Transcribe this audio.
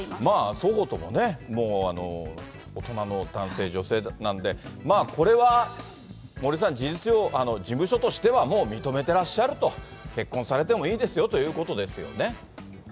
双方ともね、もう大人の男性、女性なんで、まあこれは、森さん、事実上、事務所としてはもう認めてらっしゃると、結婚されてもいいですよということですよね。